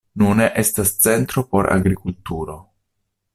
Nune estas centro por agrikulturo.